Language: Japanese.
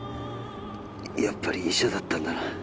やっぱり医者だったんだな